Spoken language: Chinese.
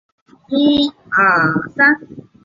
当时三大殿不属古物陈列所管辖。